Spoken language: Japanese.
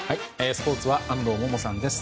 スポーツは安藤萌々さんです。